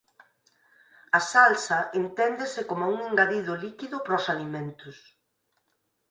A salsa enténdese coma un engadido líquido para os alimentos.